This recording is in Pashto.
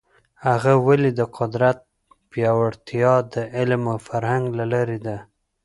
هغه ویلي، د قدرت پیاوړتیا د علم او فرهنګ له لاري ده.